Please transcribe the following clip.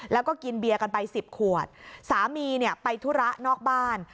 แล้วก็กินเบียร์กันไปสิบขวดสามีเนี่ยไปธุระนอกบ้าน